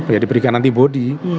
ya diberikan antibody